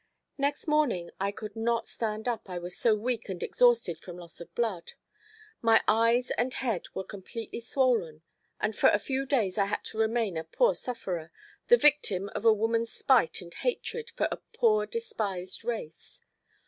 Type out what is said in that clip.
Next morning I could not stand up I was so weak and exhausted from loss of blood. My eyes and head were completely swollen, and for a few days I had to remain a poor sufferer—the victim of a woman's spite and hatred for a poor despised race.